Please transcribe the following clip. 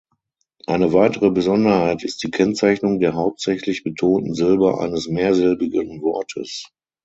Eine weitere Besonderheit ist die Kennzeichnung der hauptsächlich betonten Silbe eines mehrsilbigen Wortes.